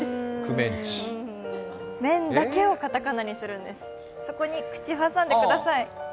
麺だけをかたかなにするんです、そこに口挟んでください。